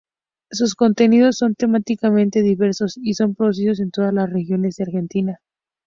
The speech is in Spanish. Sus contenidos son temáticamente diversos y son producidos en todas las regiones de Argentina.